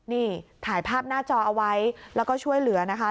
นี่ถ่ายภาพหน้าจอเอาไว้แล้วก็ช่วยเหลือนะคะ